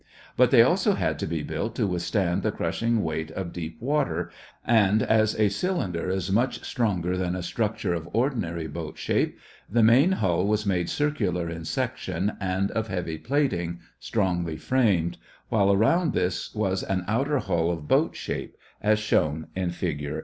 But they also had to be built to withstand the crushing weight of deep water, and as a cylinder is much stronger than a structure of ordinary boat shape, the main hull was made circular in section and of heavy plating, strongly framed, while around this was an outer hull of boat shape, as shown in Fig.